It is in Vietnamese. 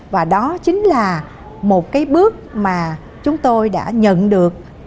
và đó chính là một cái bước mà chúng tôi đã nhận được